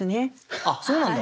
あっそうなんだ。